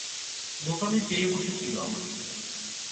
বোকামি পেয়ে বসেছিল আমাকে।